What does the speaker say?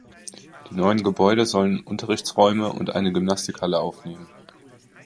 Die neuen Gebäude sollen Unterrichtsräume und eine Gymnastikhalle aufnehmen.